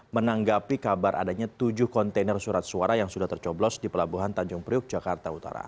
menanggapi kabar adanya tujuh kontainer surat suara yang sudah tercoblos di pelabuhan tanjung priuk jakarta utara